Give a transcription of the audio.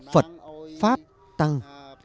phật pháp tăng